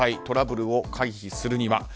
トラブルを回避するには？